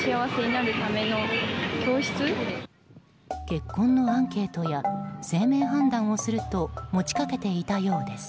結婚のアンケートや姓名判断をすると持ちかけていたようです。